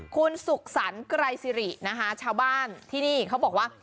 คุณสุขสรรไกรซีรีชาวบ้านที่นี่เขาบอกว่า